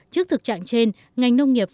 trước thực trạng trên ngành nông nghiệp